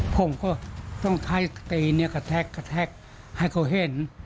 ผมก็ต้องใช้ตีเนี่ยกระแทกให้เขาเห็น